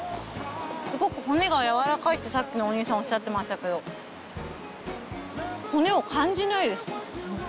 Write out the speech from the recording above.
すごく骨が柔らかいってさっきのお兄さんおっしゃってましたけど骨を感じないです。